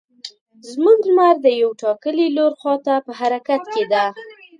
زموږ لمر د یو ټاکلي لور خوا ته په حرکت کې ده.